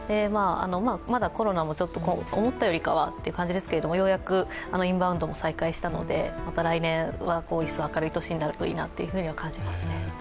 まだコロナも思ったよりかはという感じですがようやくインバウンドも再開したのでまた来年は一層明るい年になるといいなと感じますね。